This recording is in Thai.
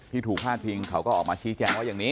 ถูกพาดพิงเขาก็ออกมาชี้แจงว่าอย่างนี้